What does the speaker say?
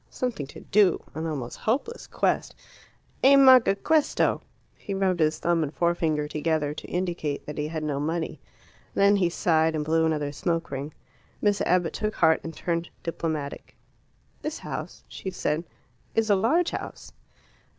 Something to do an almost hopeless quest! "E manca questo!" He rubbed his thumb and forefinger together, to indicate that he had no money. Then he sighed, and blew another smoke ring. Miss Abbott took heart and turned diplomatic. "This house," she said, "is a large house."